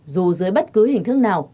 dù dưới bất cứ hình thức nào